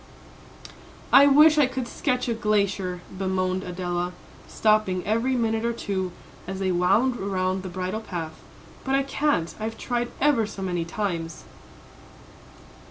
"I wish I could sketch a glacier," bemoaned Adela, stopping every minute or two, as they wound around the bridle path, "but I can't; I've tried ever so many times."